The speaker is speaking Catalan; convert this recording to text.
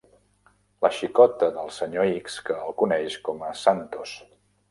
La xicota del senyor X, que el coneix com a "Santos".